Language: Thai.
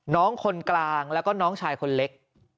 น้องคนกลางแล้วก็น้องชายคนเล็ก